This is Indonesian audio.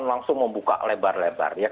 langsung membuka lebar lebar